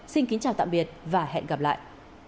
xin kính chào tạm biệt và hẹn gặp lại